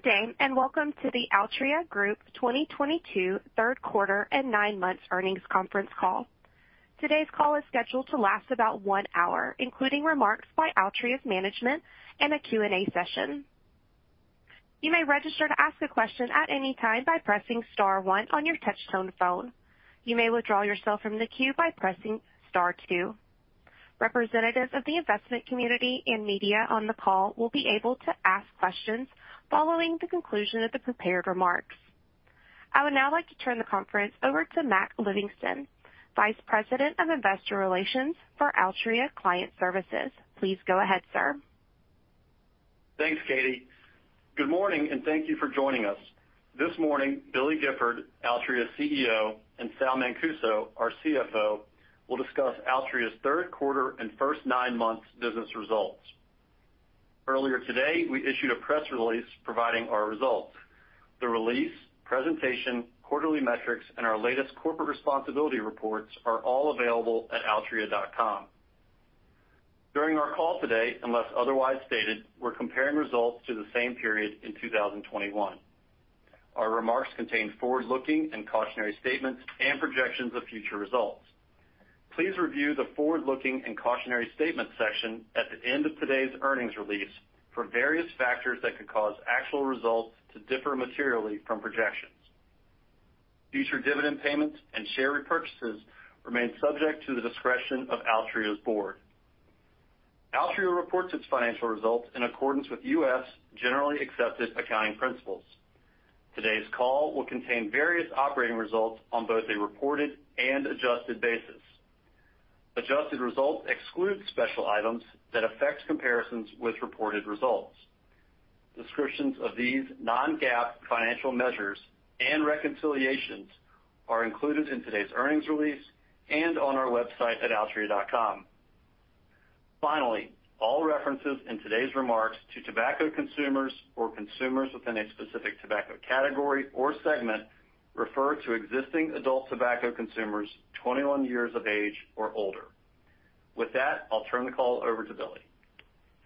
Good day, and welcome to the Altria Group 2022 third quarter and nine months earnings conference call. Today's call is scheduled to last about one hour, including remarks by Altria's management and a Q and A session. You may register to ask a question at any time by pressing star one on your touch-tone phone. You may withdraw yourself from the queue by pressing star two. Representatives of the investment community and media on the call will be able to ask questions following the conclusion of the prepared remarks. I would now like to turn the conference over to Mac Livingston, Vice President of Investor Relations for Altria Client Services. Please go ahead, sir. Thanks, Katie. Good morning, and thank you for joining us. This morning, Billy Gifford, Altria's CEO, and Sal Mancuso, our CFO, will discuss Altria's third quarter and first nine months business results. Earlier today, we issued a press release providing our results. The release, presentation, quarterly metrics, and our latest corporate responsibility reports are all available at altria.com. During our call today, unless otherwise stated, we're comparing results to the same period in 2021. Our remarks contain forward-looking and cautionary statements and projections of future results. Please review the forward-looking and cautionary statements section at the end of today's earnings release for various factors that could cause actual results to differ materially from projections. Future dividend payments and share repurchases remain subject to the discretion of Altria's board. Altria reports its financial results in accordance with U.S. Generally Accepted Accounting Principles. Today's call will contain various operating results on both a reported and adjusted basis. Adjusted results exclude special items that affect comparisons with reported results. Descriptions of these non-GAAP financial measures and reconciliations are included in today's earnings release and on our website at altria.com. Finally, all references in today's remarks to tobacco consumers or consumers within a specific tobacco category or segment refer to existing adult tobacco consumers 21 years of age or older. With that, I'll turn the call over to Billy.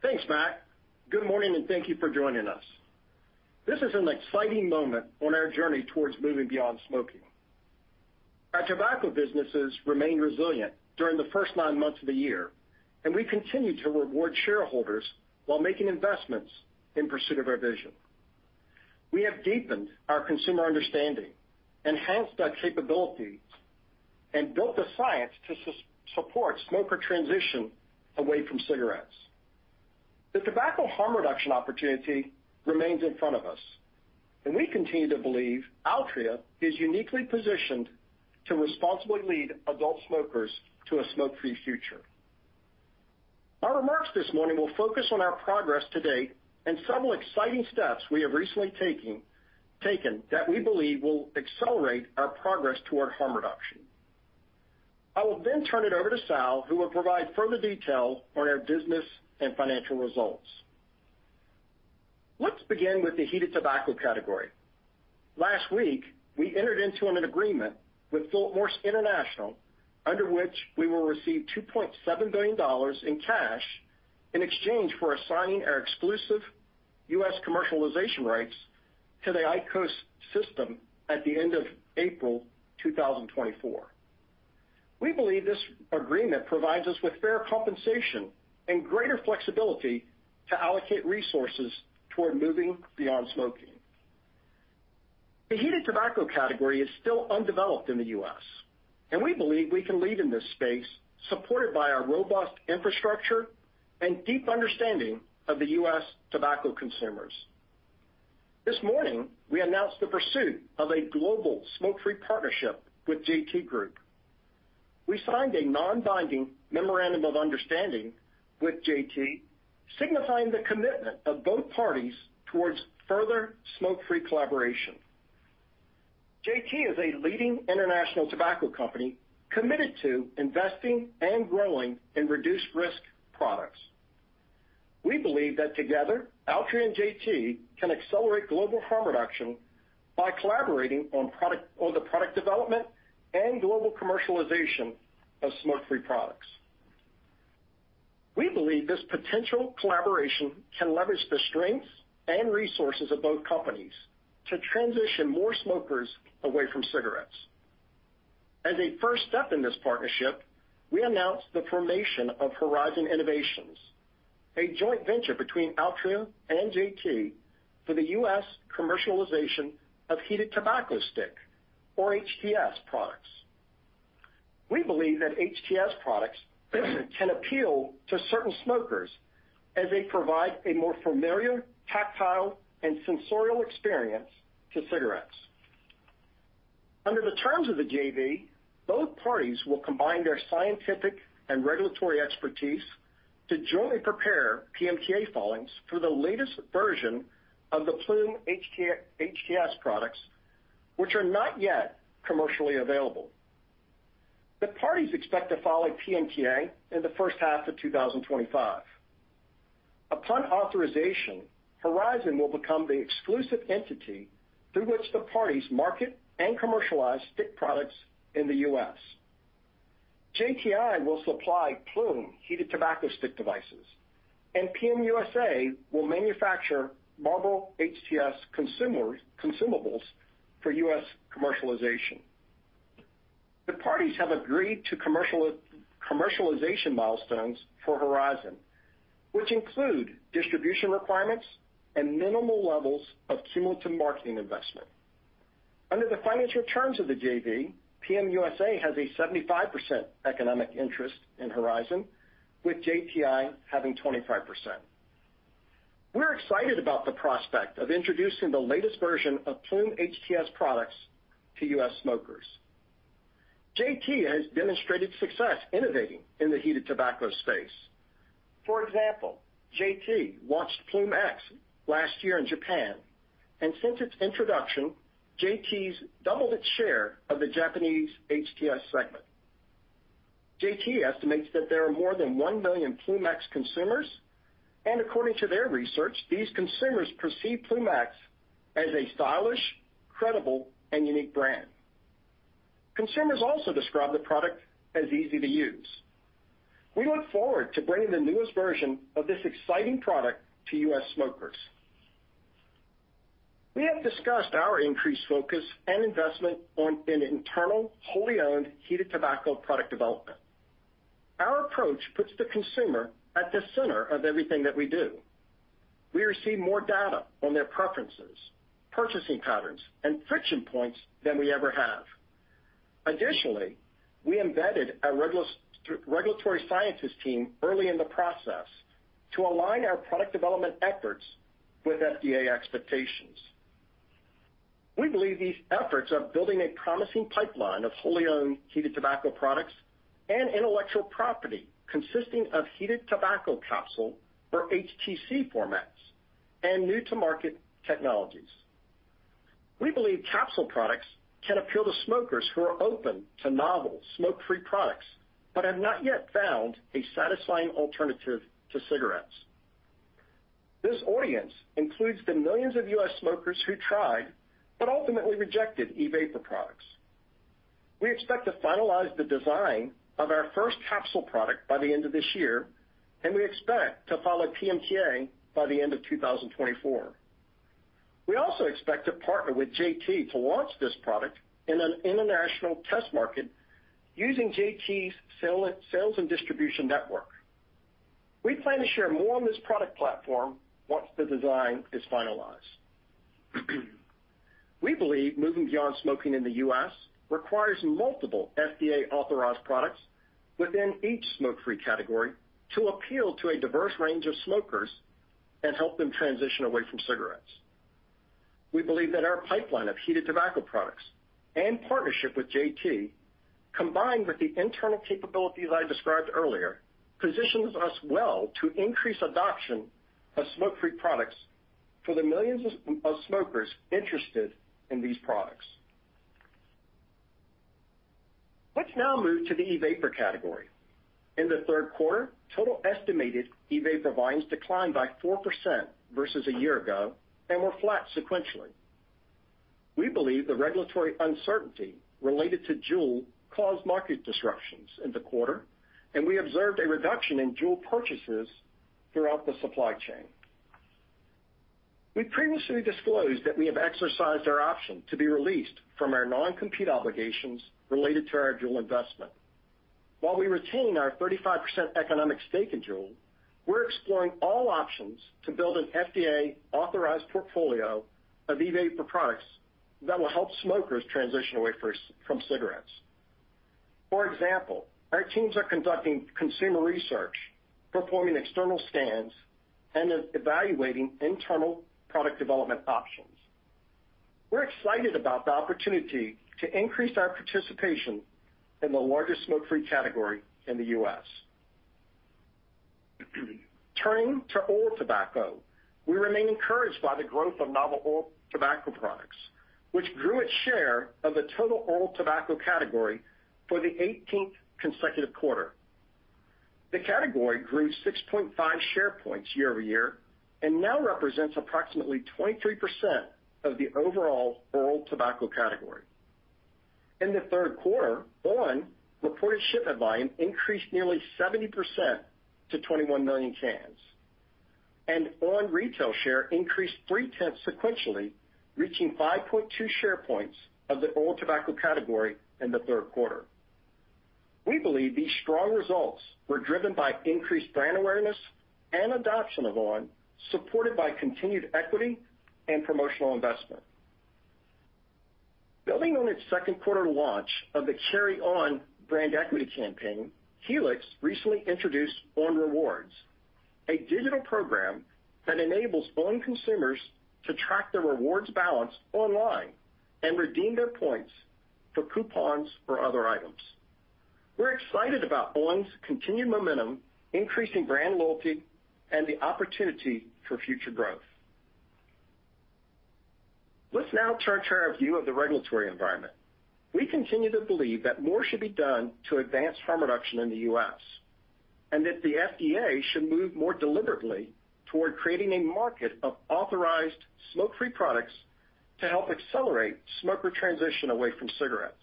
Thanks, Mac. Good morning, and thank you for joining us. This is an exciting moment on our journey towards moving beyond smoking. Our tobacco businesses remained resilient during the first nine months of the year, and we continue to reward shareholders while making investments in pursuit of our vision. We have deepened our consumer understanding, enhanced our capabilities, and built the science to support smoker transition away from cigarettes. The tobacco harm reduction opportunity remains in front of us, and we continue to believe Altria is uniquely positioned to responsibly lead adult smokers to a smoke-free future. Our remarks this morning will focus on our progress to date and several exciting steps we have recently taken that we believe will accelerate our progress toward harm reduction. I will then turn it over to Sal, who will provide further detail on our business and financial results. Let's begin with the heated tobacco category. Last week, we entered into an agreement with Philip Morris International, under which we will receive $2.7 billion in cash in exchange for assigning our exclusive U.S. commercialization rights to the IQOS system at the end of April 2024. We believe this agreement provides us with fair compensation and greater flexibility to allocate resources toward moving beyond smoking. The heated tobacco category is still undeveloped in the U.S., and we believe we can lead in this space, supported by our robust infrastructure and deep understanding of the U.S. tobacco consumers. This morning, we announced the pursuit of a global smoke-free partnership with JT Group. We signed a non-binding memorandum of understanding with JT, signifying the commitment of both parties towards further smoke-free collaboration. JT is a leading international tobacco company committed to investing and growing in reduced risk products. We believe that together, Altria and JT can accelerate global harm reduction by collaborating on the product development and global commercialization of smoke-free products. We believe this potential collaboration can leverage the strengths and resources of both companies to transition more smokers away from cigarettes. As a first step in this partnership, we announced the formation of Horizon Innovations, a joint venture between Altria and JT for the U.S. commercialization of heated tobacco stick, or HTS products. We believe that HTS products can appeal to certain smokers as they provide a more familiar, tactile, and sensorial experience to cigarettes. Under the terms of the JT, both parties will combine their scientific and regulatory expertise to jointly prepare PMTA filings for the latest version of the Ploom HT-HTS products, which are not yet commercially available. The parties expect to file a PMTA in the first half of 2025. Upon authorization, Horizon will become the exclusive entity through which the parties market and commercialize stick products in the U.S. JTI will supply Ploom heated tobacco stick devices, and PM USA will manufacture Marlboro HTS consumables for U.S. commercialization. The parties have agreed to commercialization milestones for Horizon, which include distribution requirements and minimal levels of cumulative marketing investment. Under the financial terms of the JT, PM USA has a 75% economic interest in Horizon, with JTI having 25%. We're excited about the prospect of introducing the latest version of Ploom HTS products to U.S. smokers. JT has demonstrated success innovating in the heated tobacco space. For example, JT launched Ploom X last year in Japan, and since its introduction, JT's doubled its share of the Japanese HTS segment. JT estimates that there are more than 1 million Ploom X consumers, and according to their research, these consumers perceive Ploom X as a stylish, credible, and unique brand. Consumers also describe the product as easy to use. We look forward to bringing the newest version of this exciting product to U.S. smokers. We have discussed our increased focus and investment on an internal wholly-owned heated tobacco product development. Our approach puts the consumer at the center of everything that we do. We receive more data on their preferences, purchasing patterns, and friction points than we ever have. Additionally, we embedded a regulatory sciences team early in the process to align our product development efforts with FDA expectations. We believe these efforts are building a promising pipeline of wholly owned heated tobacco products and intellectual property consisting of heated tobacco capsule or HTC formats and new-to-market technologies. We believe capsule products can appeal to smokers who are open to novel smoke-free products but have not yet found a satisfying alternative to cigarettes. This audience includes the millions of U.S. smokers who tried but ultimately rejected e-vapor products. We expect to finalize the design of our first capsule product by the end of this year, and we expect to file a PMTA by the end of 2024. We also expect to partner with JT to launch this product in an international test market using JT's sales and distribution network. We plan to share more on this product platform once the design is finalized. We believe moving beyond smoking in the U.S. requires multiple FDA-authorized products within each smoke-free category to appeal to a diverse range of smokers and help them transition away from cigarettes. We believe that our pipeline of heated tobacco products and partnership with JT, combined with the internal capabilities I described earlier, positions us well to increase adoption of smoke-free products for the millions of smokers interested in these products. Let's now move to the e-vapor category. In the third quarter, total estimated e-vapor volumes declined by 4% versus a year ago and were flat sequentially. We believe the regulatory uncertainty related to Juul caused market disruptions in the quarter, and we observed a reduction in Juul purchases throughout the supply chain. We previously disclosed that we have exercised our option to be released from our non-compete obligations related to our Juul investment. While we retain our 35% economic stake in Juul, we're exploring all options to build an FDA-authorized portfolio of e-vapor products that will help smokers transition away from cigarettes. For example, our teams are conducting consumer research, performing external scans, and evaluating internal product development options. We're excited about the opportunity to increase our participation in the largest smoke-free category in the U.S. Turning to oral tobacco, we remain encouraged by the growth of novel oral tobacco products, which grew its share of the total oral tobacco category for the 18th consecutive quarter. The category grew 6.5 share points year-over-year and now represents approximately 23% of the overall oral tobacco category. In the third quarter, on! reported shipment volume increased nearly 70% to 21 million cans, and on! retail share increased 0.3 sequentially, reaching 5.2 share points of the oral tobacco category in the third quarter. We believe these strong results were driven by increased brand awareness and adoption of on!, supported by continued equity and promotional investment. Building on its second-quarter launch of the Carry On! brand equity campaign, Helix recently introduced on! Rewards, a digital program that enables on! consumers to track their rewards balance online and redeem their points for coupons or other items. We're excited about on!'s continued momentum, increasing brand loyalty, and the opportunity for future growth. Let's now turn to our view of the regulatory environment. We continue to believe that more should be done to advance harm reduction in the U.S. That the FDA should move more deliberately toward creating a market of authorized smoke-free products to help accelerate smoker transition away from cigarettes.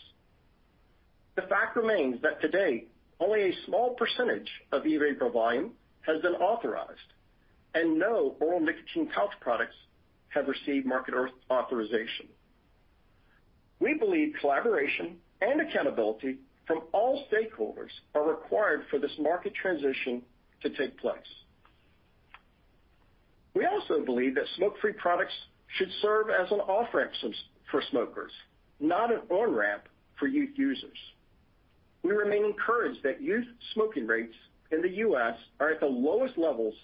The fact remains that today only a small percentage of e-vapor volume has been authorized, and no oral nicotine pouch products have received market authorization. We believe collaboration and accountability from all stakeholders are required for this market transition to take place. We also believe that smoke-free products should serve as an off-ramp for smokers, not an on-ramp for youth users. We remain encouraged that youth smoking rates in the U.S. are at the lowest levels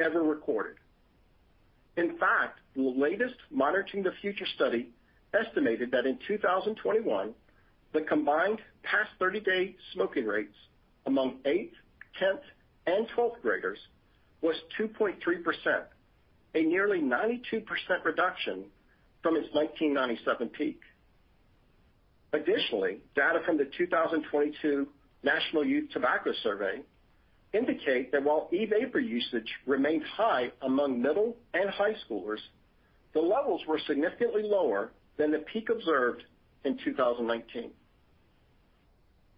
ever recorded. In fact, the latest Monitoring the Future study estimated that in 2021, the combined past 20 day smoking rates among eighth, 10th, and 12th graders was 2.3%, a nearly 92% reduction from its 1997 peak. Additionally, data from the 2022 National Youth Tobacco Survey indicate that while e-vapor usage remains high among middle and high schoolers, the levels were significantly lower than the peak observed in 2019.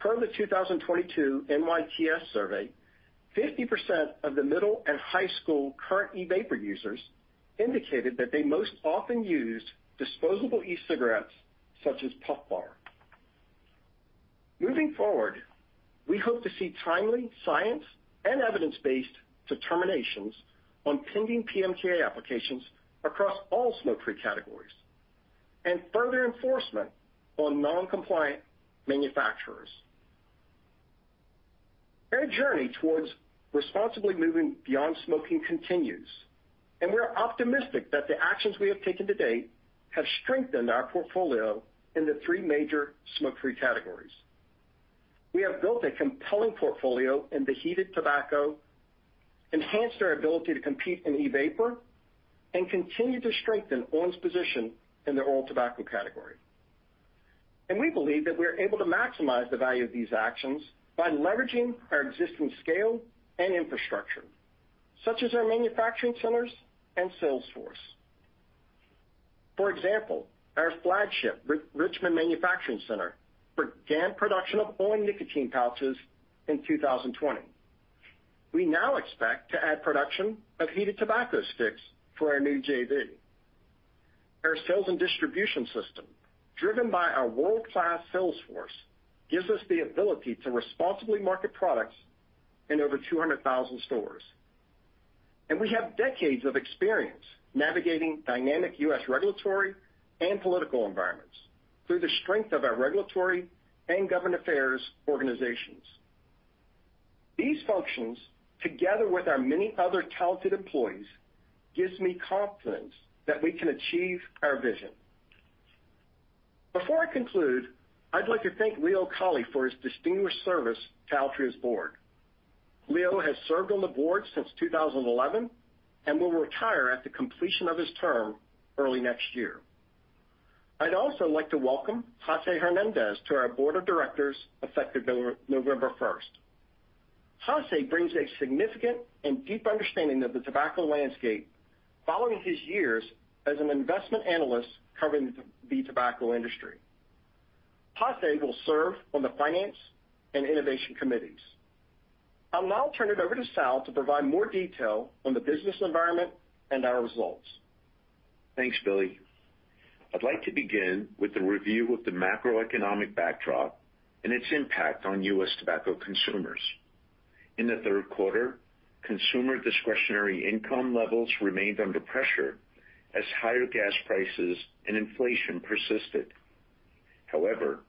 Per the 2022 NYTS survey, 50% of the middle and high school current e-vapor users indicated that they most often used disposable e-cigarettes such as Puff Bar. Moving forward, we hope to see timely science and evidence-based determinations on pending PMTA applications across all smoke-free categories and further enforcement on non-compliant manufacturers. Our journey towards responsibly moving beyond smoking continues, and we're optimistic that the actions we have taken to date have strengthened our portfolio in the three major smoke-free categories. We have built a compelling portfolio in the heated tobacco, enhanced our ability to compete in e-vapor, and continue to strengthen on! position in the oral tobacco category. We believe that we are able to maximize the value of these actions by leveraging our existing scale and infrastructure, such as our manufacturing centers and sales force. For example, our flagship Richmond manufacturing center began production of on! nicotine pouches in 2020. We now expect to add production of heated tobacco sticks for our new JT. Our sales and distribution system, driven by our world-class sales force, gives us the ability to responsibly market products in over 200,000 stores. We have decades of experience navigating dynamic U.S. regulatory and political environments through the strength of our regulatory and government affairs organizations. These functions, together with our many other talented employees, gives me confidence that we can achieve our vision. Before I conclude, I'd like to thank Leo Kiely for his distinguished service to Altria's board. Leo has served on the board since 2011 and will retire at the completion of his term early next year. I'd also like to welcome José Soares de Pina to our board of directors effective November 1st. José Soares de Pina brings a significant and deep understanding of the tobacco landscape following his years as an investment analyst covering the tobacco industry. José Soares de Pina will serve on the finance and innovation committees. I'll now turn it over to Sal Mancuso to provide more detail on the business environment and our results. Thanks, Billy. I'd like to begin with the review of the macroeconomic backdrop and its impact on U.S. tobacco consumers. In the third quarter, consumer discretionary income levels remained under pressure as higher gas prices and inflation persisted. However,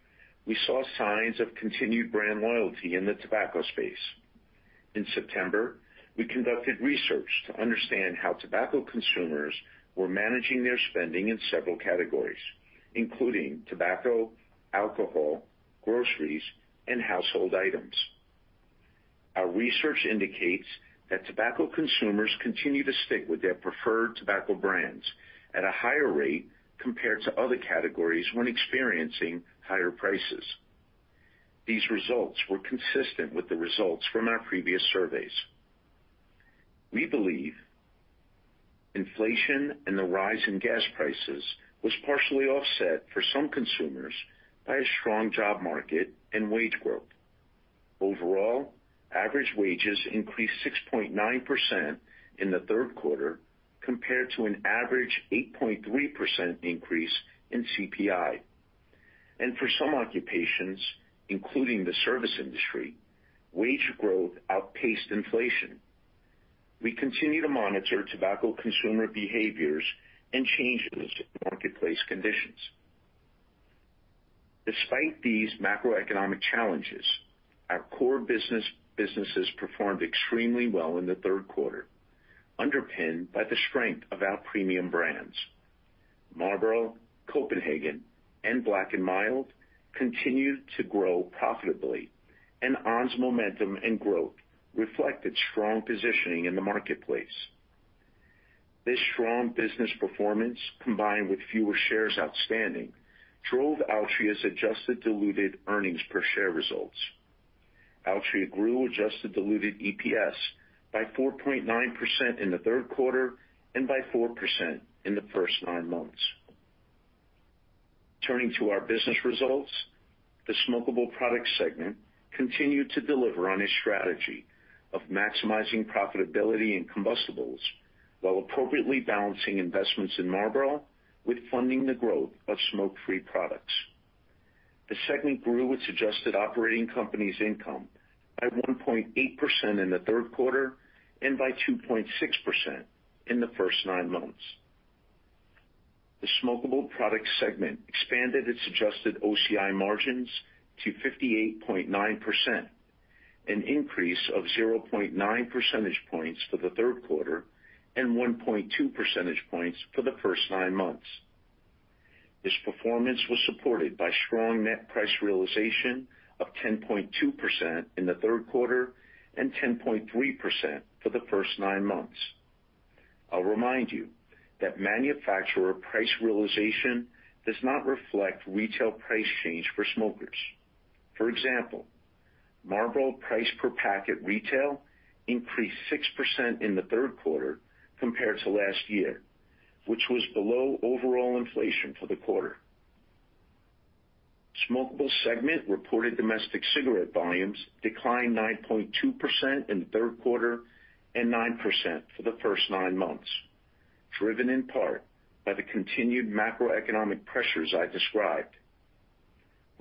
we saw signs of continued brand loyalty in the tobacco space. In September, we conducted research to understand how tobacco consumers were managing their spending in several categories, including tobacco, alcohol, groceries, and household items. Our research indicates that tobacco consumers continue to stick with their preferred tobacco brands at a higher rate compared to other categories when experiencing higher prices. These results were consistent with the results from our previous surveys. We believe inflation and the rise in gas prices was partially offset for some consumers by a strong job market and wage growth. Overall, average wages increased 6.9% in the third quarter compared to an average 8.3% increase in CPI. For some occupations, including the service industry, wage growth outpaced inflation. We continue to monitor tobacco consumer behaviors and changes in marketplace conditions. Despite these macroeconomic challenges, our core businesses performed extremely well in the third quarter, underpinned by the strength of our premium brands. Marlboro, Copenhagen, and Black & Mild continued to grow profitably, and on! momentum and growth reflected strong positioning in the marketplace. This strong business performance, combined with fewer shares outstanding, drove Altria's adjusted diluted earnings per share results. Altria grew adjusted diluted EPS by 4.9% in the third quarter and by 4% in the first nine months. Turning to our business results, the smokable products segment continued to deliver on its strategy of maximizing profitability and combustibles while appropriately balancing investments in Marlboro with funding the growth of smoke-free products. The segment grew its adjusted operating companies income by 1.8% in the third quarter and by 2.6% in the first nine months. The smokable product segment expanded its adjusted OCI margins to 58.9%, an increase of 0.9 percentage points for the third quarter and 1.2 percentage points for the first nine months. This performance was supported by strong net price realization of 10.2% in the third quarter and 10.3% for the first nine months. I'll remind you that manufacturer price realization does not reflect retail price change for smokers. For example, Marlboro price per packet retail increased 6% in the third quarter compared to last year, which was below overall inflation for the quarter. Smokable segment reported domestic cigarette volumes declined 9.2% in the third quarter and 9% for the first nine months, driven in part by the continued macroeconomic pressures I described.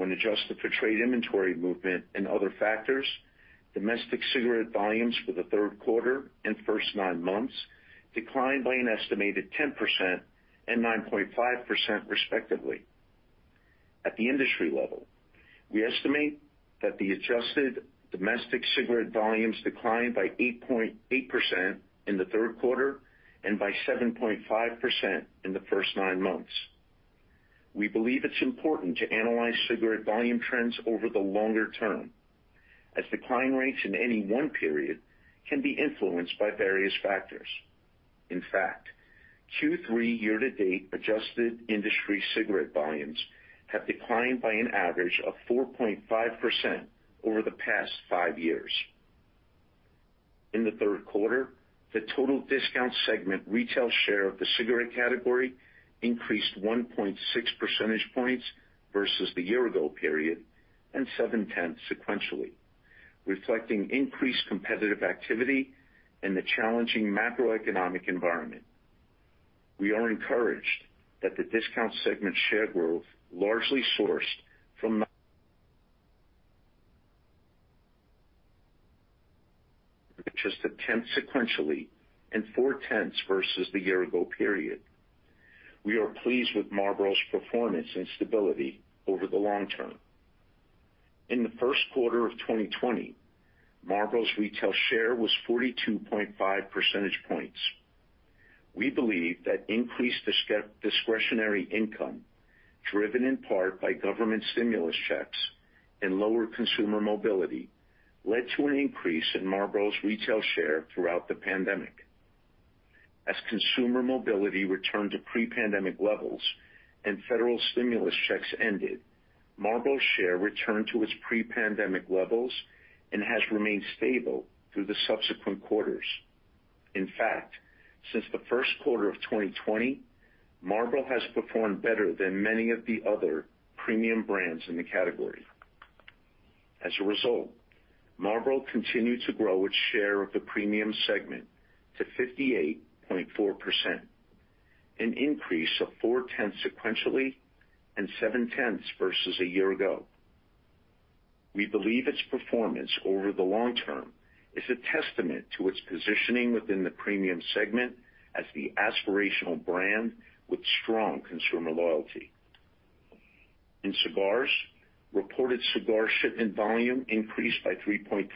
When adjusted for trade inventory movement and other factors, domestic cigarette volumes for the third quarter and first nine months declined by an estimated 10% and 9.5% respectively. At the industry level, we estimate that the adjusted domestic cigarette volumes declined by 8.8% in the third quarter and by 7.5% in the first nine months. We believe it's important to analyze cigarette volume trends over the longer term, as decline rates in any one period can be influenced by various factors. In fact, Q3 year-to-date adjusted industry cigarette volumes have declined by an average of 4.5% over the past five years. In the third quarter, the total discount segment retail share of the cigarette category increased 1.6 percentage points versus the year ago period and 0.7 sequentially, reflecting increased competitive activity and the challenging macroeconomic environment. We are encouraged that the discount segment share growth largely sourced from just 0.1 sequentially and 0.4 versus the year ago period. We are pleased with Marlboro's performance and stability over the long term. In the first quarter of 2020, Marlboro's retail share was 42.5 percentage points. We believe that increased discretionary income, driven in part by government stimulus checks and lower consumer mobility, led to an increase in Marlboro's retail share throughout the pandemic. As consumer mobility returned to pre-pandemic levels and federal stimulus checks ended, Marlboro's share returned to its pre-pandemic levels and has remained stable through the subsequent quarters. In fact, since the first quarter of 2020, Marlboro has performed better than many of the other premium brands in the category. As a result, Marlboro continued to grow its share of the premium segment to 58.4%, an increase of 0.4 sequentially and 0.7 versus a year ago. We believe its performance over the long term is a testament to its positioning within the premium segment as the aspirational brand with strong consumer loyalty. In cigars, reported cigar shipment volume increased by 3.3%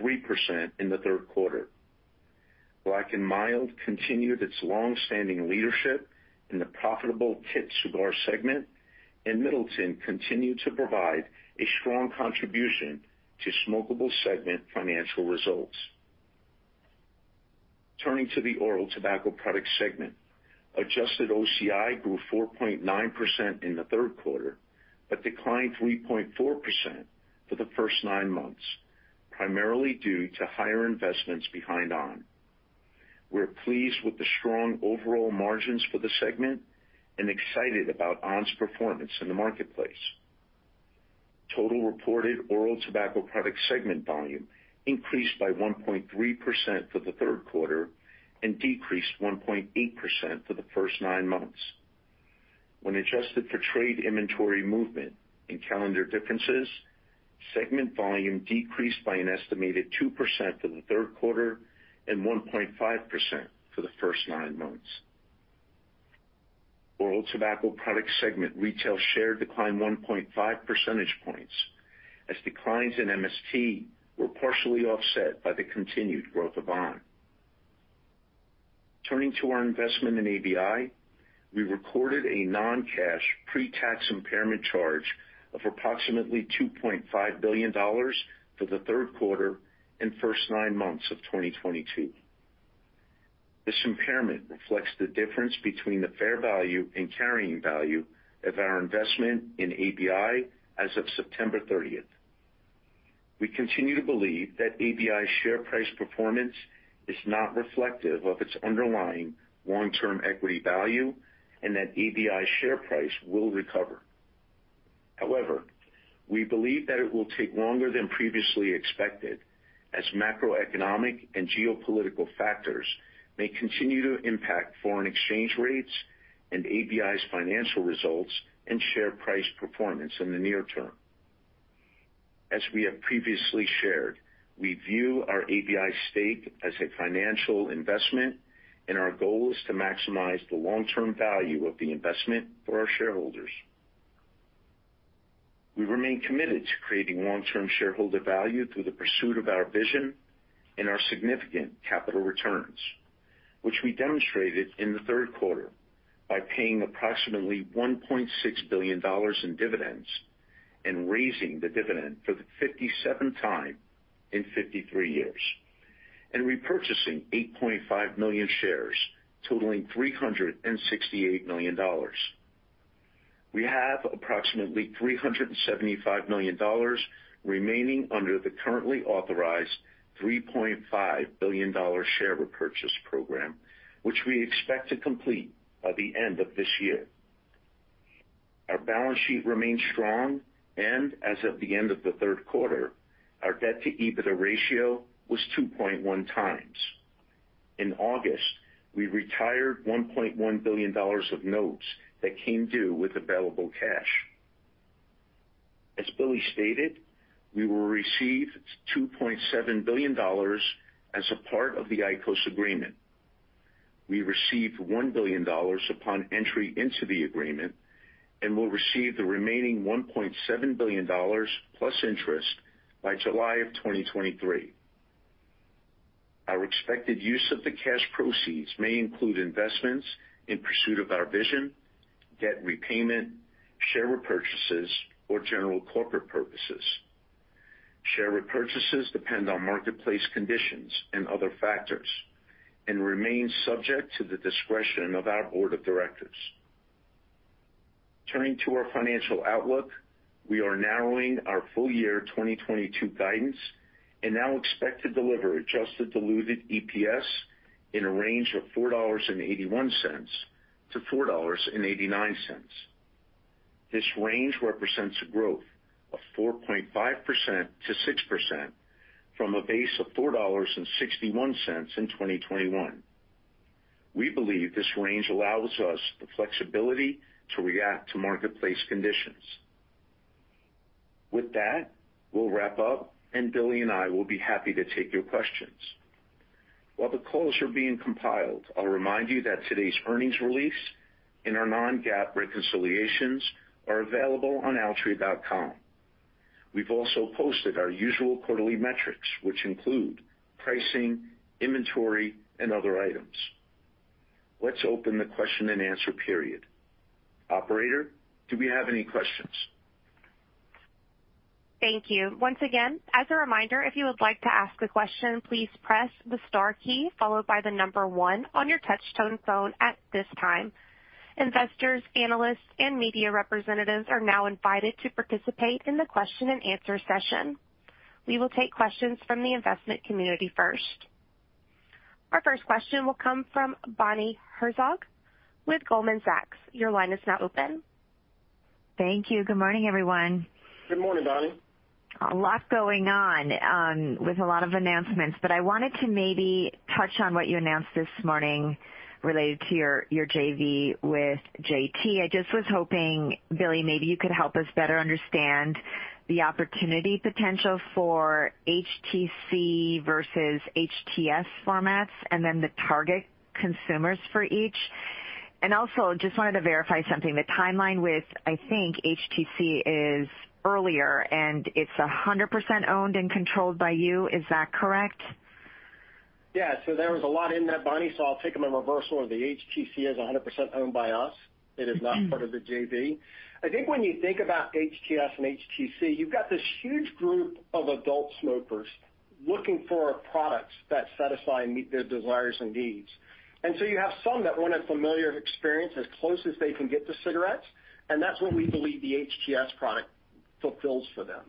in the third quarter. Black & Mild continued its long-standing leadership in the profitable little cigar segment, and John Middleton continued to provide a strong contribution to smokable segment financial results. Turning to the oral tobacco product segment. Adjusted OCI grew 4.9% in the third quarter, but declined 3.4% for the first nine months, primarily due to higher investments behind on!. We're pleased with the strong overall margins for the segment and excited about ONP's performance in the marketplace. Total reported oral tobacco product segment volume increased by 1.3% for the third quarter and decreased 1.8% for the first nine months. When adjusted for trade inventory movement and calendar differences, segment volume decreased by an estimated 2% for the third quarter and 1.5% for the first nine months. Oral tobacco product segment retail share declined 1.5 percentage points as declines in MST were partially offset by the continued growth of on!. Turning to our investment in ABI. We recorded a non-cash pretax impairment charge of approximately $2.5 billion for the third quarter and first nine months of 2022. This impairment reflects the difference between the fair value and carrying value of our investment in ABI as of September 30th. We continue to believe that ABI's share price performance is not reflective of its underlying long-term equity value and that ABI's share price will recover. However, we believe that it will take longer than previously expected as macroeconomic and geopolitical factors may continue to impact foreign exchange rates and ABI's financial results and share price performance in the near term. As we have previously shared, we view our ABI stake as a financial investment, and our goal is to maximize the long-term value of the investment for our shareholders. We remain committed to creating long-term shareholder value through the pursuit of our vision and our significant capital returns, which we demonstrated in the third quarter by paying approximately $1.6 billion in dividends and raising the dividend for the 57th time in 53 years, and repurchasing 8.5 million shares totaling $368 million. We have approximately $375 million remaining under the currently authorized $3.5 billion share repurchase program, which we expect to complete by the end of this year. Our balance sheet remains strong, and as of the end of the third quarter, our debt-to-EBITDA ratio was 2.1 times. In August, we retired $1.1 billion of notes that came due with available cash. As Billy stated, we will receive $2.7 billion as a part of the IQOS agreement. We received $1 billion upon entry into the agreement and will receive the remaining $1.7 billion plus interest by July of 2023. Our expected use of the cash proceeds may include investments in pursuit of our vision, debt repayment, share repurchases, or general corporate purposes. Share repurchases depend on marketplace conditions and other factors and remain subject to the discretion of our board of directors. Turning to our financial outlook, we are narrowing our full-year 2022 guidance and now expect to deliver adjusted diluted EPS in a range of $4.81-$4.89. This range represents a growth of 4.5%-6% from a base of $4.61 in 2021. We believe this range allows us the flexibility to react to marketplace conditions. With that, we'll wrap up, and Billy and I will be happy to take your questions. While the calls are being compiled, I'll remind you that today's earnings release and our non-GAAP reconciliations are available on Altria.com. We've also posted our usual quarterly metrics, which include pricing, inventory, and other items. Let's open the question-and-answer period. Operator, do we have any questions? Thank you. Once again, as a reminder, if you would like to ask a question, please press the star key followed by the number one on your touchtone phone at this time. Investors, analysts, and media representatives are now invited to participate in the question-and-answer session. We will take questions from the investment community first. Our first question will come from Bonnie Herzog with Goldman Sachs. Your line is now open. Thank you. Good morning, everyone. Good morning, Bonnie. A lot going on with a lot of announcements, but I wanted to maybe touch on what you announced this morning related to your JV with JT. I just was hoping, Billy, maybe you could help us better understand the opportunity potential for HTC versus HTS formats and then the target consumers for each. Also just wanted to verify something, the timeline with, I think HTC is earlier, and it's 100% owned and controlled by you. Is that correct? Yeah. There was a lot in that, Bonnie, so I'll take them in reversal. The HTC is 100% owned by us. It is not part of the JV. I think when you think about HTS and HTC, you've got this huge group of adult smokers looking for products that satisfy and meet their desires and needs. You have some that want a familiar experience as close as they can get to cigarettes, and that's what we believe the HTS product fulfills for them.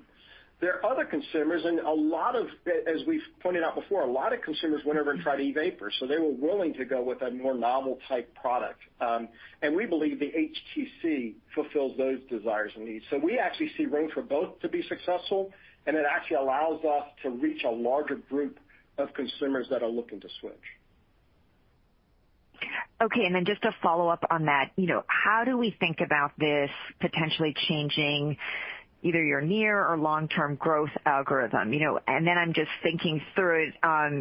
There are other consumers, as we've pointed out before, a lot of consumers have never tried e-vapor, so they were willing to go with a more novel type product. We believe the HTC fulfills those desires and needs. We actually see room for both to be successful, and it actually allows us to reach a larger group of consumers that are looking to switch. Okay. Just to follow up on that, you know, how do we think about this potentially changing either your near or long-term growth algorithm? You know, I'm just thinking through it,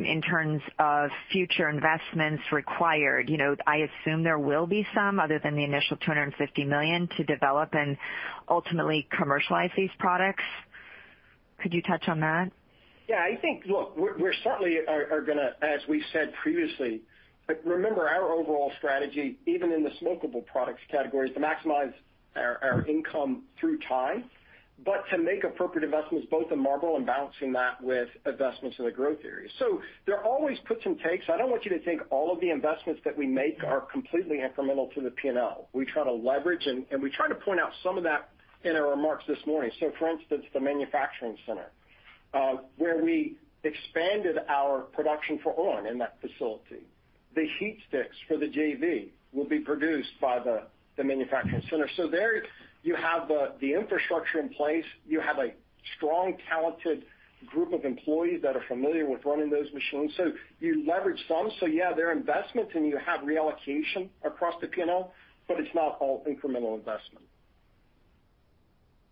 in terms of future investments required. You know, I assume there will be some other than the initial $250 million to develop and ultimately commercialize these products. Could you touch on that? Yeah, I think, look, we certainly are gonna, as we said previously. Remember our overall strategy, even in the smokable products category, is to maximize our income over time, but to make appropriate investments both in Marlboro and balancing that with investments in the growth areas. There are always puts and takes. I don't want you to think all of the investments that we make are completely incremental to the P&L. We try to leverage, and we try to point out some of that in our remarks this morning. For instance, the manufacturing center where we expanded our production for on! in that facility. The HeatSticks for the JV will be produced by the manufacturing center. There you have the infrastructure in place. You have a strong, talented group of employees that are familiar with running those machines. You leverage some. Yeah, they're investments, and you have reallocation across the P&L, but it's not all incremental investment.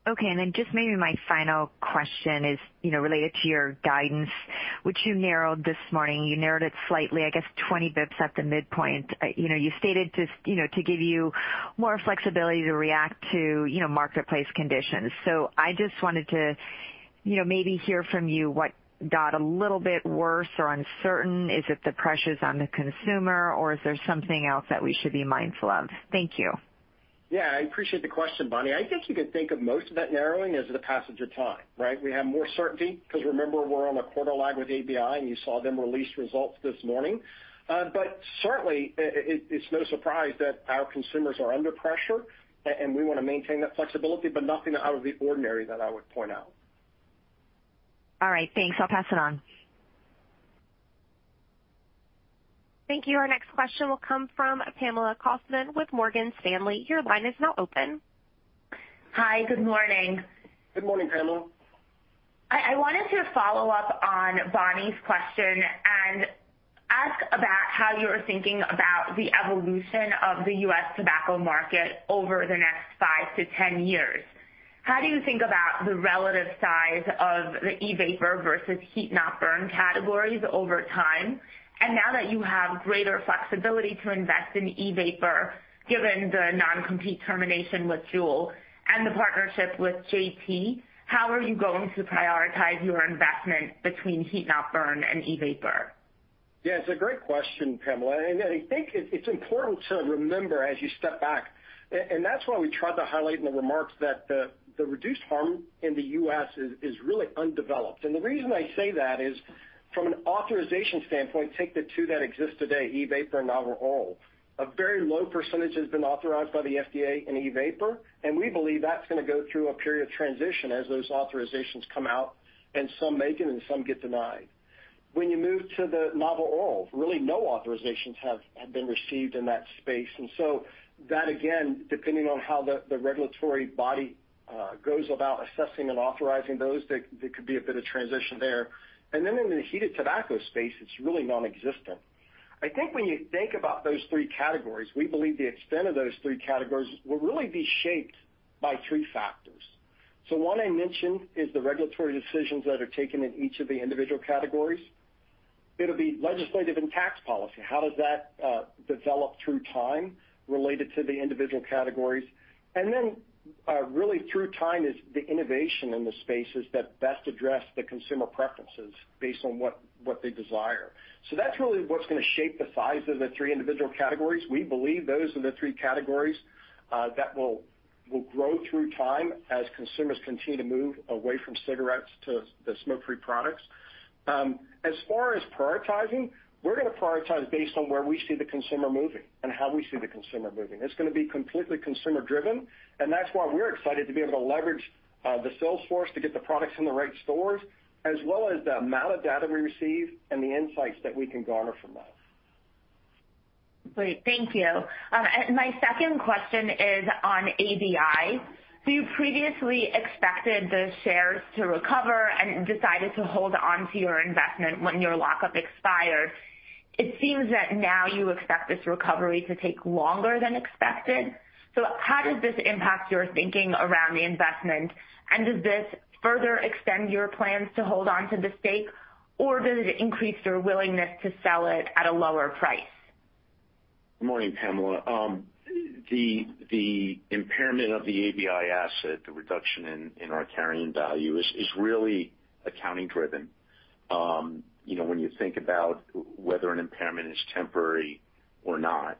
Okay. Just maybe my final question is, you know, related to your guidance, which you narrowed this morning. You narrowed it slightly, I guess 20 basis points at the midpoint. You know, you stated just, you know, to give you more flexibility to react to, you know, marketplace conditions. I just wanted to, you know, maybe hear from you what got a little bit worse or uncertain. Is it the pressures on the consumer, or is there something else that we should be mindful of? Thank you. Yeah, I appreciate the question, Bonnie. I think you could think of most of that narrowing as the passage of time, right? We have more certainty because remember we're on a quarter lag with ABI, and you saw them release results this morning. Certainly it's no surprise that our consumers are under pressure and we wanna maintain that flexibility, but nothing out of the ordinary that I would point out. All right, thanks. I'll pass it on. Thank you. Our next question will come from Pamela Kaufman with Morgan Stanley. Your line is now open. Hi. Good morning. Good morning, Pamela. I wanted to follow up on Bonnie's question and ask about how you're thinking about the evolution of the U.S. tobacco market over the next five to 10 years. How do you think about the relative size of the e-vapor versus heat-not-burn categories over time? Now that you have greater flexibility to invest in e-vapor, given the non-compete termination with Juul and the partnership with JT, how are you going to prioritize your investment between heat-not-burn and e-vapor? Yeah, it's a great question, Pamela. I think it's important to remember as you step back, and that's why we tried to highlight in the remarks that the reduced harm in the U.S. is really undeveloped. The reason I say that is from an authorization standpoint, take the two that exist today, e-vapor and novel oral. A very low percentage has been authorized by the FDA in e-vapor, and we believe that's gonna go through a period of transition as those authorizations come out, and some make it and some get denied. When you move to the novel oral, really no authorizations have been received in that space. That, again, depending on how the regulatory body goes about assessing and authorizing those, there could be a bit of transition there. Then in the heated tobacco space, it's really nonexistent. I think when you think about those three categories, we believe the extent of those three categories will really be shaped by three factors. One I mentioned is the regulatory decisions that are taken in each of the individual categories. It'll be legislative and tax policy. How does that develop through time related to the individual categories? Really through time is the innovation in the spaces that best address the consumer preferences based on what they desire. That's really what's gonna shape the size of the three individual categories. We believe those are the three categories that will grow through time as consumers continue to move away from cigarettes to the smoke-free products. As far as prioritizing, we're gonna prioritize based on where we see the consumer moving and how we see the consumer moving. It's gonna be completely consumer driven, and that's why we're excited to be able to leverage, the sales force to get the products in the right stores, as well as the amount of data we receive and the insights that we can garner from that. Great. Thank you. My second question is on ABI. You previously expected the shares to recover and decided to hold on to your investment when your lock-up expired. It seems that now you expect this recovery to take longer than expected. How does this impact your thinking around the investment, and does this further extend your plans to hold on to the stake, or does it increase your willingness to sell it at a lower price? Good morning, Pamela. The impairment of the ABI asset, the reduction in our carrying value is really accounting driven. You know, when you think about whether an impairment is temporary or not,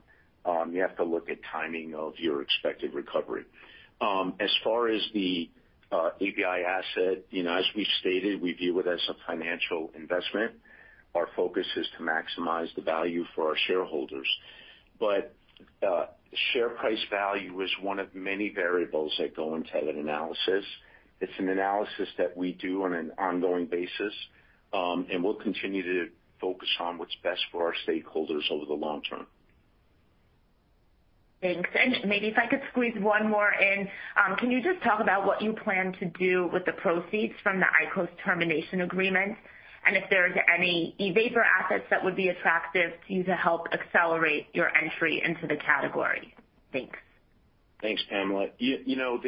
you have to look at timing of your expected recovery. As far as the ABI asset, you know, as we stated, we view it as a financial investment. Our focus is to maximize the value for our shareholders. Share price value is one of many variables that go into that analysis. It's an analysis that we do on an ongoing basis, and we'll continue to focus on what's best for our stakeholders over the long term. Thanks. Maybe if I could squeeze one more in. Can you just talk about what you plan to do with the proceeds from the IQOS termination agreement, and if there's any e-vapor assets that would be attractive to you to help accelerate your entry into the category? Thanks. Thanks, Pamela. You know,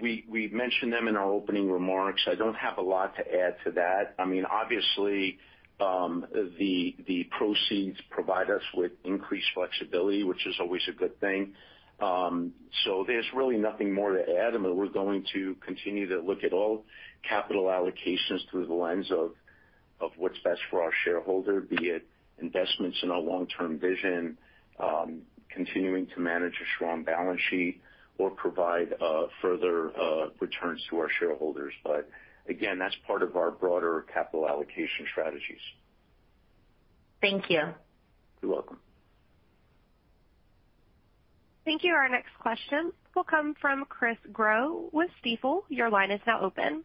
we mentioned them in our opening remarks. I don't have a lot to add to that. I mean, obviously, the proceeds provide us with increased flexibility, which is always a good thing. So there's really nothing more to add. I mean, we're going to continue to look at all capital allocations through the lens of what's best for our shareholder, be it investments in our long-term vision, continuing to manage a strong balance sheet or provide further returns to our shareholders. Again, that's part of our broader capital allocation strategies. Thank you. You're welcome. Thank you. Our next question will come from Chris Growe with Stifel. Your line is now open.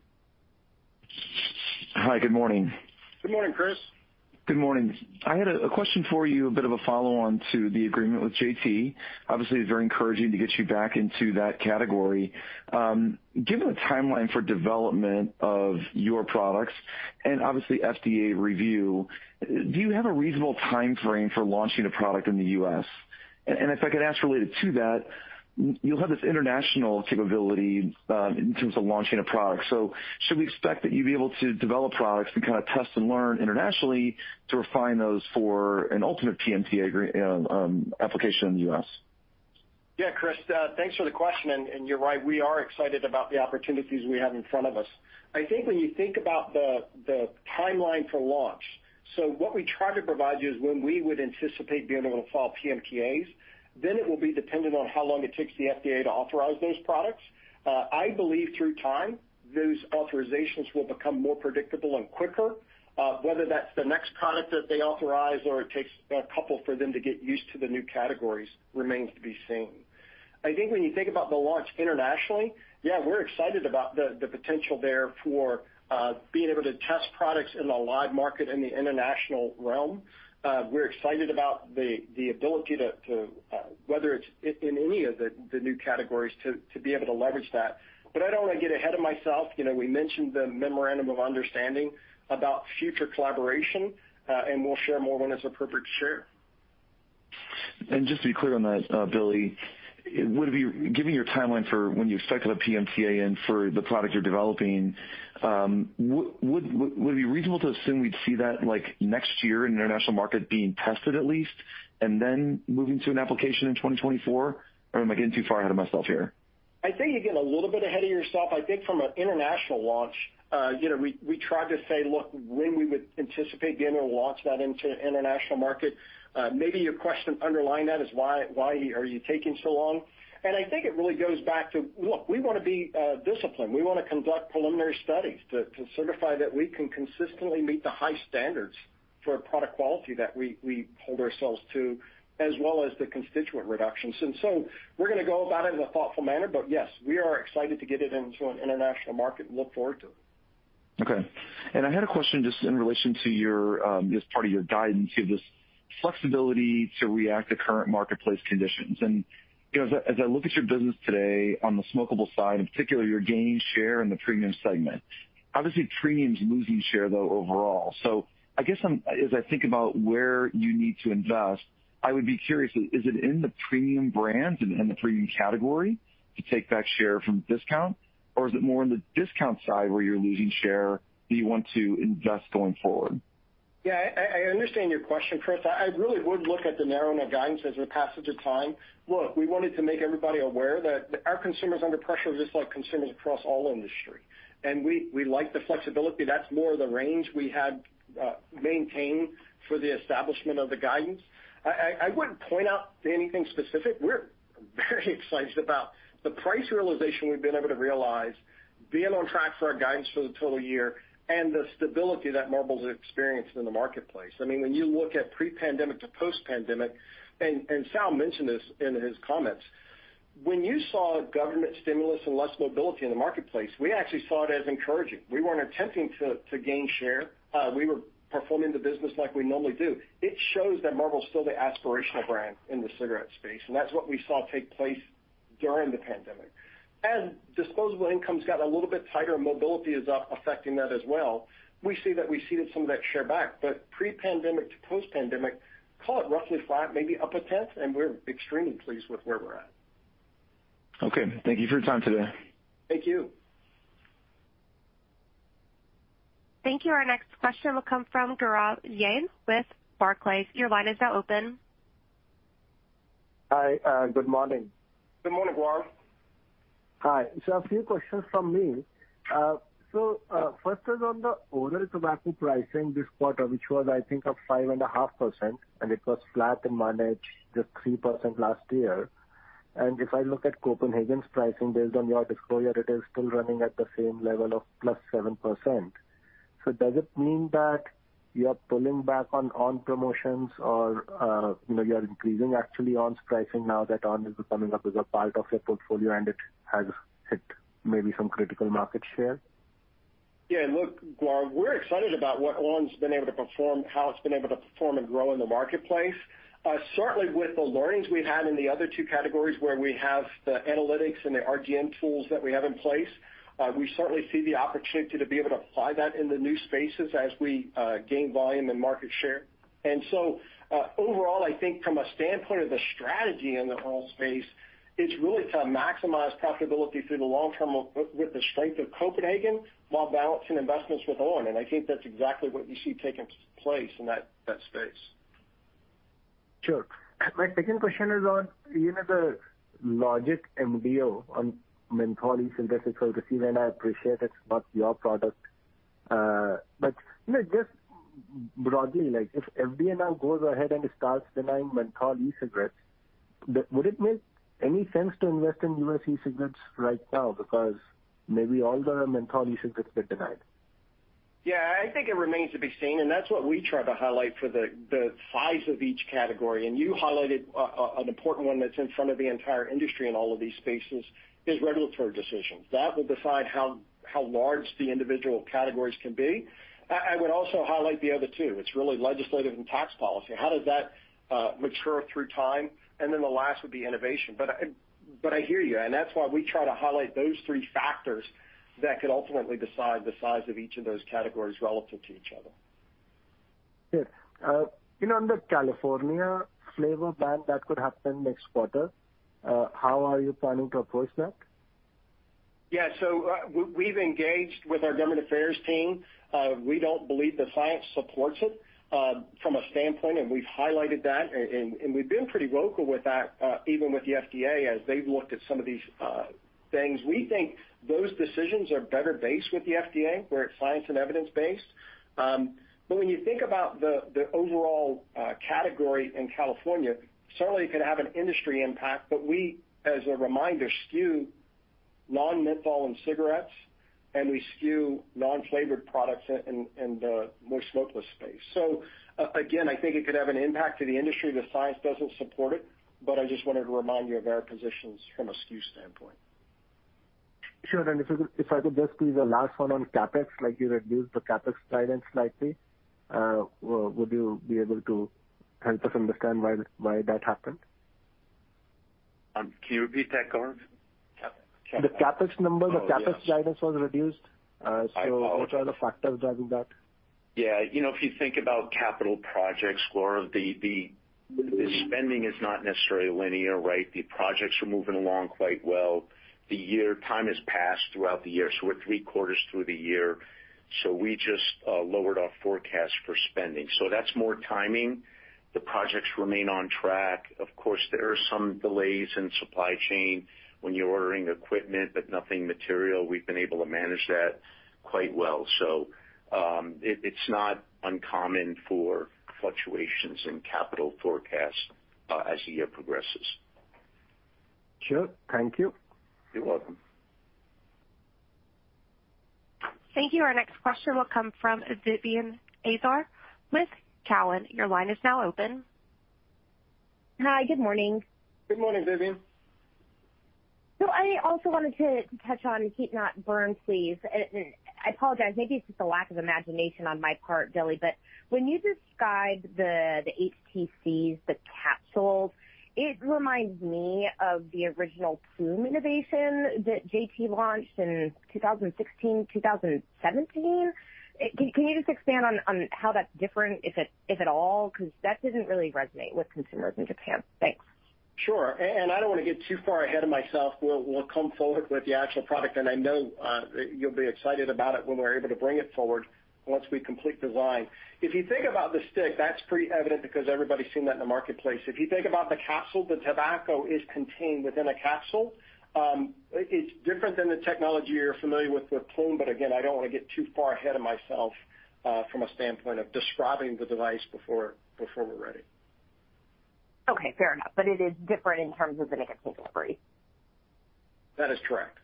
Hi. Good morning. Good morning, Chris. Good morning. I had a question for you, a bit of a follow-on to the agreement with JT. Obviously, it's very encouraging to get you back into that category. Given the timeline for development of your products and obviously FDA review, do you have a reasonable time frame for launching a product in the U.S.? And if I could ask related to that, you'll have this international capability in terms of launching a product. Should we expect that you'd be able to develop products to kind of test and learn internationally to refine those for an ultimate PMTA application in the U.S. Yeah, Chris, thanks for the question. You're right, we are excited about the opportunities we have in front of us. I think when you think about the timeline for launch, what we try to provide you is when we would anticipate being able to file PMTAs, then it will be dependent on how long it takes the FDA to authorize those products. I believe through time, those authorizations will become more predictable and quicker. Whether that's the next product that they authorize or it takes a couple for them to get used to the new categories remains to be seen. I think when you think about the launch internationally, yeah, we're excited about the potential there for being able to test products in a live market in the international realm. We're excited about the ability to, whether it's in any of the new categories, to be able to leverage that. I don't want to get ahead of myself. You know, we mentioned the memorandum of understanding about future collaboration, and we'll share more when it's appropriate to share. Just to be clear on that, Billy, giving your timeline for when you expect to have PMTA in for the product you're developing, would it be reasonable to assume we'd see that, like, next year in international market being tested at least, and then moving to an application in 2024? Or am I getting too far ahead of myself here? I think you're getting a little bit ahead of yourself. I think from an international launch, you know, we tried to say, look, when we would anticipate being able to launch that into international market. Maybe your question underlying that is why are you taking so long? I think it really goes back to, look, we wanna be, disciplined. We wanna conduct preliminary studies to certify that we can consistently meet the high standards for product quality that we hold ourselves to, as well as the constituent reductions. We're gonna go about it in a thoughtful manner. Yes, we are excited to get it into an international market and look forward to it. Okay. I had a question just in relation to your, as part of your guidance, you have this flexibility to react to current marketplace conditions. You know, as I look at your business today on the smokable side, in particular, you're gaining share in the premium segment. Obviously, premium's losing share though overall. I guess as I think about where you need to invest, I would be curious, is it in the premium brands, in the premium category to take back share from discount? Or is it more on the discount side where you're losing share, do you want to invest going forward? Yeah, I understand your question, Chris. I really would look at the narrowing of guidance as a passage of time. Look, we wanted to make everybody aware that our consumer is under pressure just like consumers across all industry, and we like the flexibility. That's more of the range we had maintained for the establishment of the guidance. I wouldn't point out to anything specific. We're very excited about the price realization we've been able to realize, being on track for our guidance for the total year and the stability that Marlboro's experienced in the marketplace. I mean, when you look at pre-pandemic to post-pandemic, and Sal mentioned this in his comments, when you saw government stimulus and less mobility in the marketplace, we actually saw it as encouraging. We weren't attempting to gain share. We were performing the business like we normally do. It shows that Marlboro is still the aspirational brand in the cigarette space, and that's what we saw take place during the pandemic. Disposable income's got a little bit tighter, and mobility is affecting that as well. We see that some of that share back, but pre-pandemic to post-pandemic, call it roughly flat, maybe up a tenth, and we're extremely pleased with where we're at. Okay. Thank you for your time today. Thank you. Thank you. Our next question will come from Gaurav Jain with Barclays. Your line is now open. Hi, good morning. Good morning, Gaurav. Hi. A few questions from me. First is on the oral tobacco pricing this quarter, which was I think up 5.5%, and it was flat in managed, just 3% last year. If I look at Copenhagen's pricing based on your disclosure, it is still running at the same level of +7%. Does it mean that you are pulling back on promotions or you know you are increasing actually on pricing now that on! is coming up as a part of your portfolio and it has hit maybe some critical market share? Yeah, look, Gaurav, we're excited about what on! been able to perform, how it's been able to perform and grow in the marketplace. Certainly with the learnings we've had in the other two categories where we have the analytics and the RGM tools that we have in place, we certainly see the opportunity to be able to apply that in the new spaces as we gain volume and market share. Overall, I think from a standpoint of the strategy in the oral space, it's really to maximize profitability through the long term with the strength of Copenhagen while balancing investments with on!. I think that's exactly what you see taking place in that space. Sure. My second question is on, you know, the logic MRTP on menthol e-cigarettes. I appreciate it's not your product. You know, just broadly, like if FDA now goes ahead and starts denying menthol e-cigarettes, would it make any sense to invest in U.S. e-cigarettes right now? Because maybe all the menthol e-cigarettes get denied. Yeah, I think it remains to be seen, and that's what we try to highlight for the size of each category. You highlighted an important one that's in front of the entire industry in all of these spaces is regulatory decisions. That will decide how large the individual categories can be. I would also highlight the other two. It's really legislative and tax policy. How does that mature through time? Then the last would be innovation. But I hear you, and that's why we try to highlight those three factors that could ultimately decide the size of each of those categories relative to each other. Yes. You know, under California flavor ban, that could happen next quarter. How are you planning to approach that? Yeah. We've engaged with our government affairs team. We don't believe the science supports it from a standpoint, and we've highlighted that and we've been pretty vocal with that, even with the FDA as they've looked at some of these things. We think those decisions are better based with the FDA, where it's science and evidence-based. When you think about the overall category in California, certainly it could have an industry impact. We, as a reminder, skew non-menthol and cigarettes, and we skew non-flavored products in the more smokeless space. Again, I think it could have an impact to the industry. The science doesn't support it, but I just wanted to remind you of our positions from a SKU standpoint. Sure. If I could just please the last one on CapEx, like you reduced the CapEx guidance slightly. Would you be able to help us understand why that happened? Can you repeat that, Gaurav? The CapEx number. Oh, yes. The CapEx guidance was reduced. I apologize. What are the factors driving that? Yeah. You know, if you think about capital projects, Gaurav, the spending is not necessarily linear, right? The projects are moving along quite well. The year time has passed throughout the year, so we're three quarters through the year. We just lowered our forecast for spending, so that's more timing. The projects remain on track. Of course, there are some delays in supply chain when you're ordering equipment, but nothing material. We've been able to manage that quite well. It's not uncommon for fluctuations in capital forecast as the year progresses. Sure. Thank you. You're welcome. Thank you. Our next question will come from Vivien Azer with Cowen. Your line is now open. Hi. Good morning. Good morning, Vivien. I also wanted to touch on heat-not-burn, please. I apologize, maybe it's just a lack of imagination on my part, Billy, but when you describe the HTCs, the capsules, it reminds me of the original Ploom innovation that JT launched in 2016-2017. Can you just expand on how that's different, if at all? Because that didn't really resonate with consumers in Japan. Thanks. Sure. I don't want to get too far ahead of myself. We'll come forward with the actual product, and I know you'll be excited about it when we're able to bring it forward once we complete design. If you think about the stick, that's pretty evident because everybody's seen that in the marketplace. If you think about the capsule, the tobacco is contained within a capsule. It's different than the technology you're familiar with Ploom, but again, I don't want to get too far ahead of myself from a standpoint of describing the device before we're ready. Okay, fair enough. It is different in terms of the nicotine delivery? That is correct.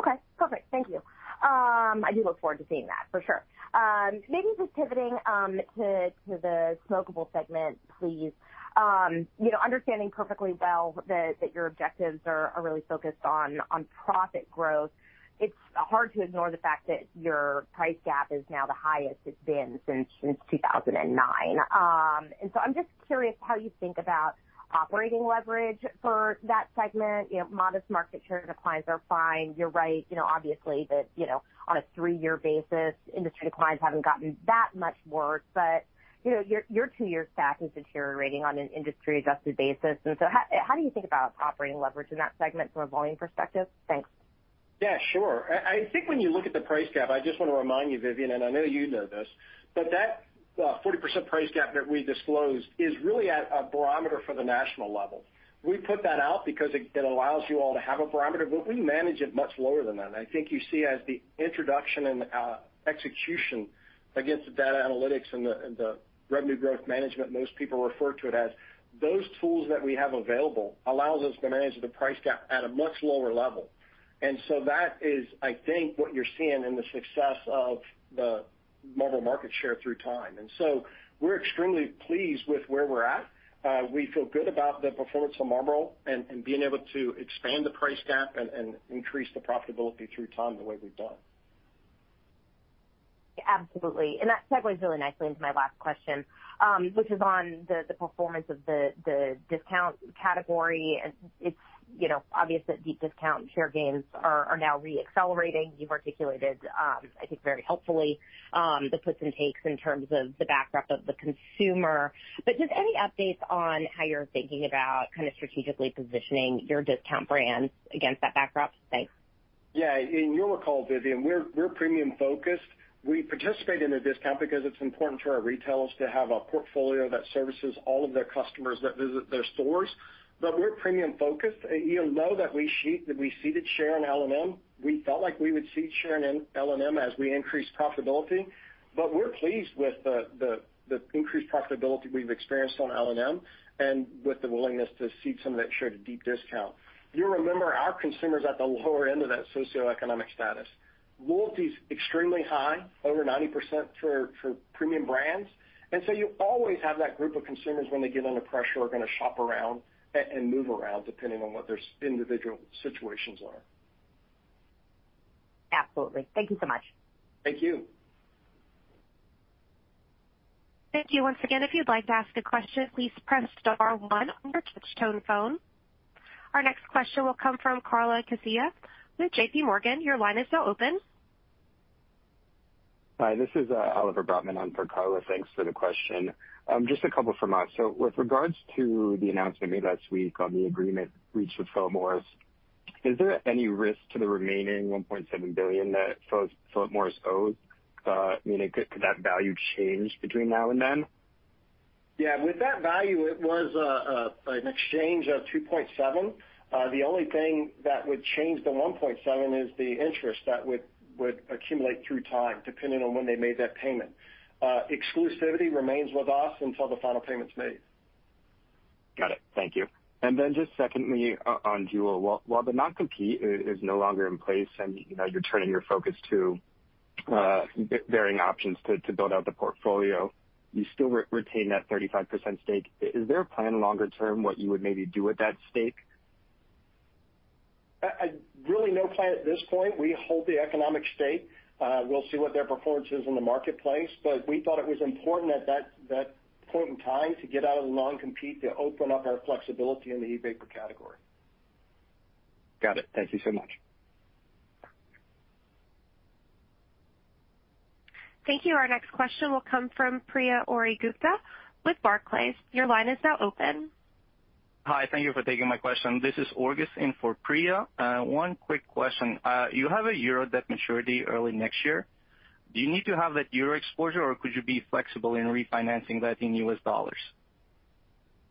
Okay, perfect. Thank you. I do look forward to seeing that for sure. Maybe just pivoting to the smokable segment, please. You know, understanding perfectly well that your objectives are really focused on profit growth, it's hard to ignore the fact that your price gap is now the highest it's been since 2009. I'm just curious how you think about operating leverage for that segment. You know, modest market share declines are fine. You're right, you know, obviously you know on a three-year basis, industry declines haven't gotten that much worse. But you know, your two-year stack is deteriorating on an industry-adjusted basis. How do you think about operating leverage in that segment from a volume perspective? Thanks. Yeah, sure. I think when you look at the price gap, I just wanna remind you, Vivien, and I know you know this, but that 40% price gap that we disclosed is really a barometer for the national level. We put that out because it allows you all to have a barometer, but we manage it much lower than that. I think you see as the introduction and execution against the data analytics and the revenue growth management, most people refer to it as, those tools that we have available allows us to manage the price gap at a much lower level. That is, I think, what you're seeing in the success of the Marlboro market share through time. We're extremely pleased with where we're at. We feel good about the performance of Marlboro and being able to expand the price gap and increase the profitability through time the way we've done. Absolutely. That segues really nicely into my last question, which is on the performance of the discount category. It's, you know, obvious that deep discount share gains are now re-accelerating. You've articulated, I think very helpfully, the puts and takes in terms of the backdrop of the consumer. Just any updates on how you're thinking about kind of strategically positioning your discount brands against that backdrop? Thanks. Yeah. In your recall, Vivien, we're premium-focused. We participate in a discount because it's important to our retailers to have a portfolio that services all of their customers that visit their stores. But we're premium-focused. You know that we ceded share in L&M. We felt like we would cede share in L&M as we increase profitability. But we're pleased with the increased profitability we've experienced on L&M and with the willingness to cede some of that share to deep discount. You remember our consumers at the lower end of that socioeconomic status. Loyalty's extremely high, over 90% for premium brands. You always have that group of consumers when they get under pressure are gonna shop around and move around depending on what their individual situations are. Absolutely. Thank you so much. Thank you. Thank you. Once again, if you'd like to ask a question, please press star one on your touchtone phone. Our next question will come from Carla Casella with JPMorgan. Your line is now open. Hi, this is Oliver Brotman in for Carla. Thanks for the question. Just a couple from us. With regards to the announcement made last week on the agreement reached with Philip Morris, is there any risk to the remaining $1.7 billion that Philip Morris owes? I mean, could that value change between now and then? Yeah. With that value, it was an exchange of 2.7. The only thing that would change the 1.7 is the interest that would accumulate through time, depending on when they made that payment. Exclusivity remains with us until the final payment's made. Got it. Thank you. Then just secondly on Juul. While the non-compete is no longer in place and, you know, you're turning your focus to varying options to build out the portfolio, you still retain that 35% stake. Is there a plan longer term what you would maybe do with that stake? Really no plan at this point. We hold the economic stake. We'll see what their performance is in the marketplace, but we thought it was important at that point in time to get out of the non-compete to open up our flexibility in the e-vapor category. Got it. Thank you so much. Thank you. Our next question will come from Priya Ohri-Gupta with Barclays. Your line is now open. Hi, thank you for taking my question. This is Priya Ohri-Gupta. One quick question. You have a euro debt maturity early next year. Do you need to have that euro exposure, or could you be flexible in refinancing that in U.S. dollars?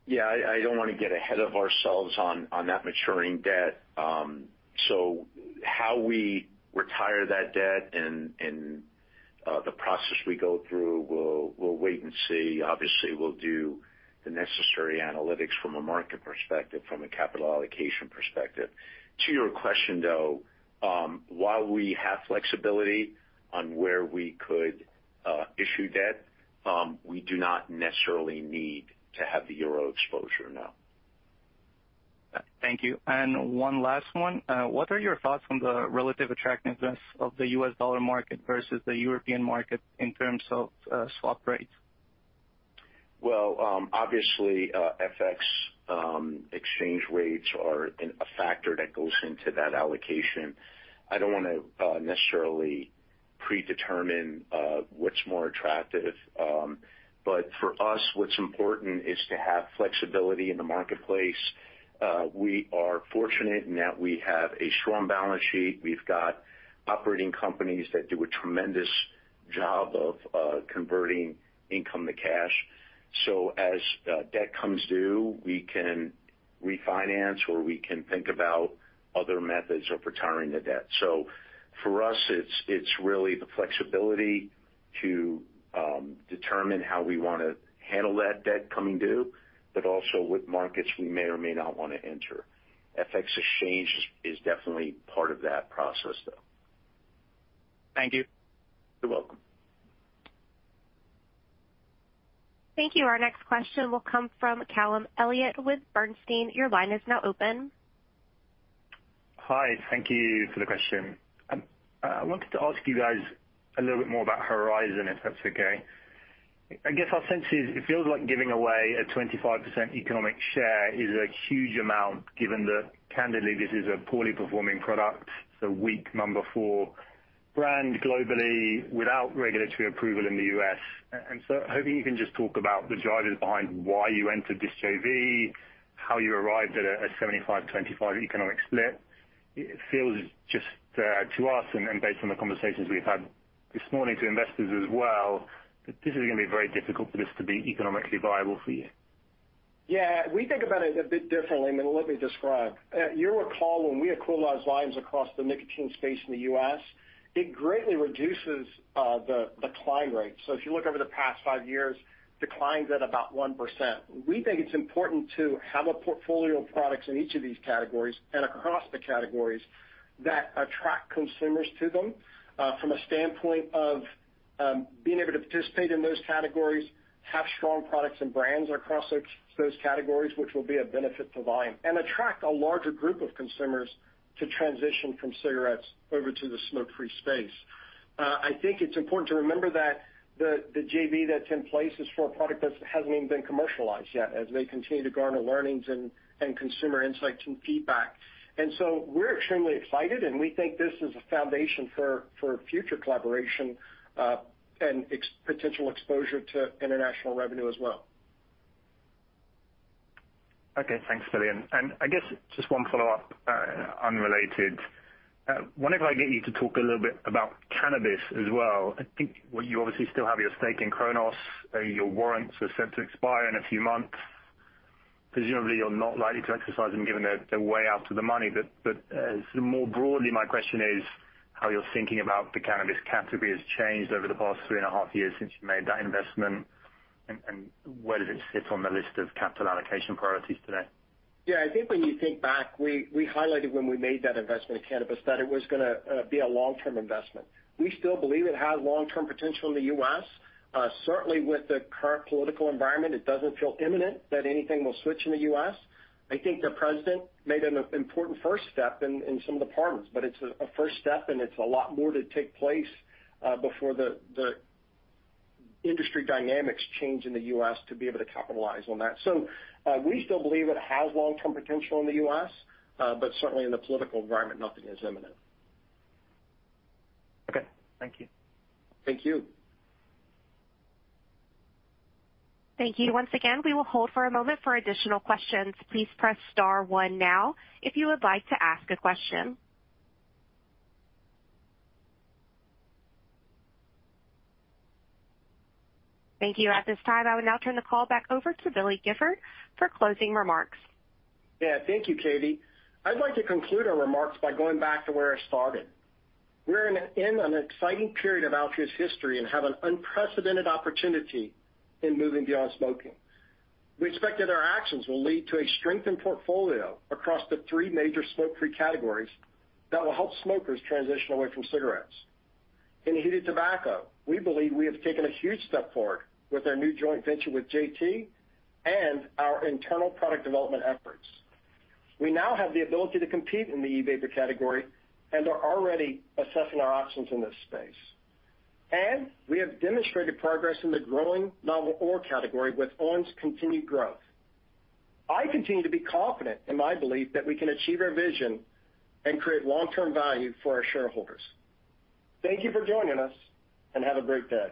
Yeah. I don't wanna get ahead of ourselves on that maturing debt. How we retire that debt and the process we go through, we'll wait and see. Obviously, we'll do the necessary analytics from a market perspective, from a capital allocation perspective. To your question, though, while we have flexibility on where we could issue debt, we do not necessarily need to have the euro exposure, no. Thank you. One last one. What are your thoughts on the relative attractiveness of the U.S. dollar market versus the European market in terms of swap rates? Well, obviously, FX exchange rates are a factor that goes into that allocation. I don't wanna necessarily predetermine what's more attractive. But for us, what's important is to have flexibility in the marketplace. We are fortunate in that we have a strong balance sheet. We've got operating companies that do a tremendous job of converting income to cash. As debt comes due, we can refinance, or we can think about other methods of retiring the debt. For us, it's really the flexibility to determine how we wanna handle that debt coming due, but also what markets we may or may not wanna enter. FX exchange is definitely part of that process, though. Thank you. You're welcome. Thank you. Our next question will come from Callum Elliott with Bernstein. Your line is now open. Hi. Thank you for the question. I wanted to ask you guys a little bit more about Horizon, if that's okay. I guess our sense is it feels like giving away a 25% economic share is a huge amount given that candidly this is a poorly performing product, it's a weak number four brand globally without regulatory approval in the U.S. And so hoping you can just talk about the drivers behind why you entered this JV, how you arrived at a 75/25 economic split. It feels just to us and based on the conversations we've had this morning to investors as well, that this is gonna be very difficult for this to be economically viable for you. Yeah. We think about it a bit differently, and let me describe. You'll recall when we equalized volumes across the nicotine space in the U.S., it greatly reduces the decline rate. If you look over the past five years, decline's at about 1%. We think it's important to have a portfolio of products in each of these categories and across the categories that attract consumers to them from a standpoint of being able to participate in those categories, have strong products and brands across those categories, which will be a benefit to volume and attract a larger group of consumers to transition from cigarettes over to the smoke-free space. I think it's important to remember that the JV that's in place is for a product that hasn't even been commercialized yet, as they continue to garner learnings and consumer insight and feedback. We're extremely excited, and we think this is a foundation for future collaboration and potential exposure to international revenue as well. Okay, thanks, Billy. I guess just one follow-up, unrelated. I wonder if I can get you to talk a little bit about cannabis as well. I think, well, you obviously still have your stake in Cronos, your warrants are set to expire in a few months. Presumably, you're not likely to exercise them given their way out of the money. More broadly, my question is how your thinking about the cannabis category has changed over the past three and a half years since you made that investment. Where does it sit on the list of capital allocation priorities today? Yeah. I think when you think back, we highlighted when we made that investment in cannabis that it was gonna be a long-term investment. We still believe it has long-term potential in the U.S. Certainly with the current political environment, it doesn't feel imminent that anything will switch in the U.S. I think the president made an important first step in some departments, but it's a first step, and it's a lot more to take place before the industry dynamics change in the U.S. to be able to capitalize on that. We still believe it has long-term potential in the U.S., but certainly in the political environment, nothing is imminent. Okay. Thank you. Thank you. Thank you. Once again, we will hold for a moment for additional questions. Please press star one now if you would like to ask a question. Thank you. At this time, I would now turn the call back over to Billy Gifford for closing remarks. Yeah. Thank you, Katie. I'd like to conclude our remarks by going back to where I started. We're in an exciting period of Altria's history and have an unprecedented opportunity in moving beyond smoking. We expect that our actions will lead to a strengthened portfolio across the three major smoke-free categories that will help smokers transition away from cigarettes. In heated tobacco, we believe we have taken a huge step forward with our new joint venture with JT and our internal product development efforts. We now have the ability to compete in the e-vapor category and are already assessing our options in this space. We have demonstrated progress in the growing novel oral category with on! continued growth. I continue to be confident in my belief that we can achieve our vision and create long-term value for our shareholders. Thank you for joining us, and have a great day.